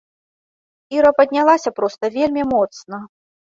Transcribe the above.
Іра паднялася проста вельмі моцна.